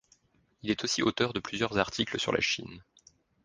Il est aussi auteur de plusieurs articles sur la Chine.